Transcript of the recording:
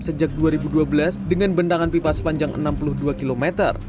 sejak dua ribu dua belas dengan bendangan pipa sepanjang enam puluh dua km